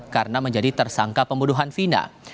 karena menjadi tersangka pembunuhan vina